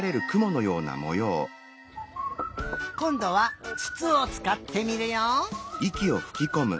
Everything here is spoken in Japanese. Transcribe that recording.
こんどはつつをつかってみるよ！